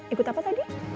ikut apa tadi